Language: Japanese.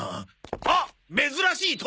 あっ珍しい鳥！